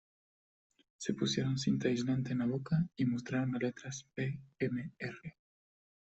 Se pusieron cinta aislante en la boca y mostraron las letras "P"."M"."R".